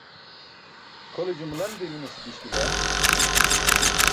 Kʰole jumlan girminase diś bila.